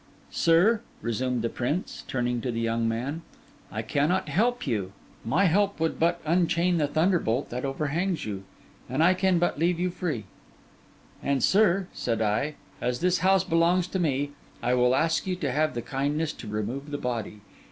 'Sir,' resumed the prince, turning to the young man, 'I cannot help you; my help would but unchain the thunderbolt that overhangs you; and I can but leave you free.' 'And, sir,' said I, 'as this house belongs to me, I will ask you to have the kindness to remove the body.